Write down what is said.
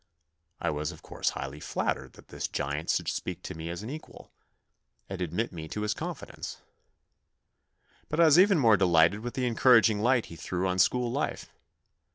I was, of course, highly flattered that this giant should speak to me as an equal, and admit me to his confidences. But I was even more delighted with the encouraging light he threw on school life.